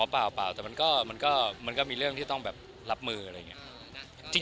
เปล่าแต่มันก็มีเรื่องที่ต้องแบบรับมืออะไรอย่างนี้